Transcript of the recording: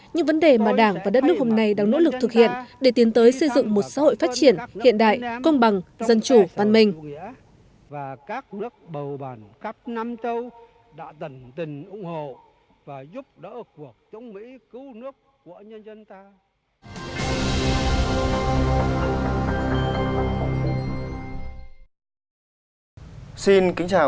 những vấn đề mà đảng và đất nước hôm nay đang nỗ lực thực hiện để tiến tới xây dựng một xã hội phát triển hiện đại công bằng dân chủ văn minh